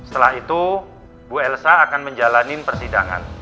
setelah itu bu elsa akan menjalani persidangan